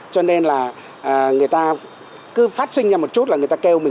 cho nên là người ta cứ phát sinh ra một chút là người ta kêu mình